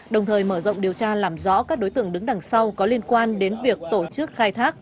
đồng thời mở rộng điều tra làm rõ các đối tượng đứng đằng sau có liên quan đến việc tổ chức khai thác